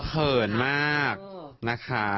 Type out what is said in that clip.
เขินมากนะคะ